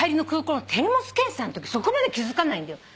そこまで気付かないんだよ。